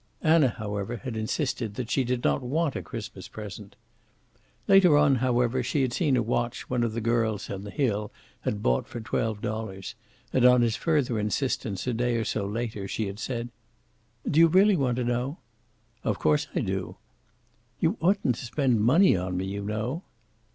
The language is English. Anna, however, had insisted that she did not want a Christmas present. Later on, however, she had seen a watch one of the girls on the hill had bought for twelve dollars, and on his further insistence a day or so later she had said: "Do you really want to know?" "Of course I do." "You oughtn't to spend money on me, you know."